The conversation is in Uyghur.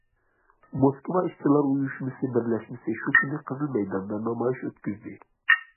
موسكۋا ئىشچىلار ئۇيۇشمىسى بىرلەشمىسى شۇ كۈنى قىزىل مەيداندا نامايىش ئۆتكۈزدى.